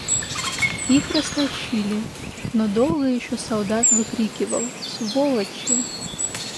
Их растащили, но долго еще солдат выкрикивал: — Сволочи!